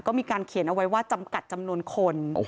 ก็มีการเขียนเอาไว้ว่าจำกัดจำนวนคน